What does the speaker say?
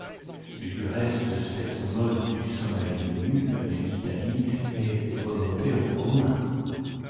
Du reste, cette mode du sommeil nu venait d’Italie, et remontait aux romains.